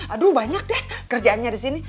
aduh banyak deh kerjaannya di sini